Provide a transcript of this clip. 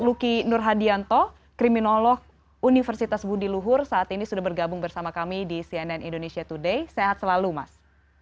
luki nur hadianto kriminolog universitas budi luhur saat ini sudah bergabung bersama kami di cnn indonesia today sehat selalu mas